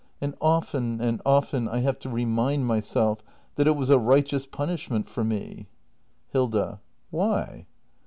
And often and often I have to remind myself that it was a righteous punishment for me Hilda. Why?